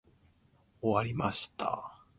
終わりました。